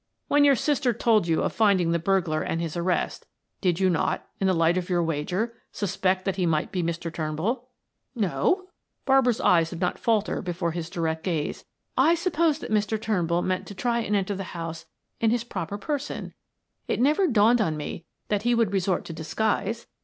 "When your sister told you of finding the burglar and his arrest, did you not, in the light of your wager, suspect that he might be Mr. Turnbull?" "No." Barbara's eyes did not falter before his direct gaze. "I supposed that Mr. Turnbull meant to try and enter the house in his own proper person; it never dawned on me that he would resort to disguise.